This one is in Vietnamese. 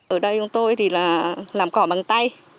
ở đây tôi làm cỏ bằng tay